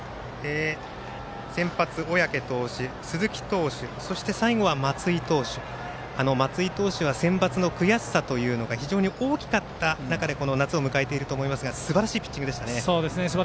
先発、小宅投手、鈴木投手そして最後は松井投手、松井投手はセンバツの悔しさが非常に大きかった中でこの夏を迎えていると思いますがすばらしいピッチングですね。